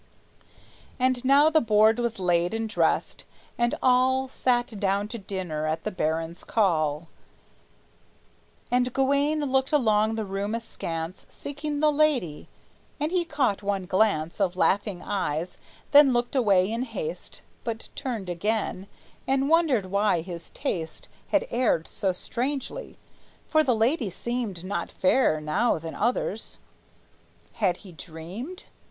_" And now the board was laid and dressed, and all Sat down to dinner at the baron's call; And Gawayne looked along the room askance, Seeking the lady; and he caught one glance Of laughing eyes then looked away in haste, But turned again, and wondered why his taste Had erred so strangely, for the lady seemed Not fairer now than others. Had he dreamed?